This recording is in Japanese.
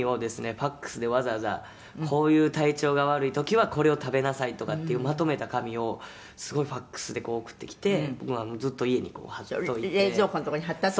ファクスでわざわざこういう“体調が悪い時はこれを食べなさい”とかっていうまとめた紙をすごいファクスで送ってきてずっと家に貼っといて」「冷蔵庫のとこに貼ってあった」